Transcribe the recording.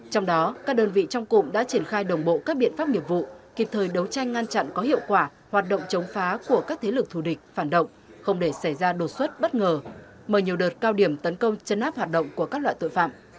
trong đó các đơn vị trong cụm đã triển khai đồng bộ các biện pháp nghiệp vụ kịp thời đấu tranh ngăn chặn có hiệu quả hoạt động chống phá của các thế lực thù địch phản động không để xảy ra đột xuất bất ngờ mời nhiều đợt cao điểm tấn công chấn áp hoạt động của các loại tội phạm